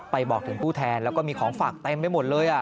บอกถึงผู้แทนแล้วก็มีของฝากเต็มไปหมดเลย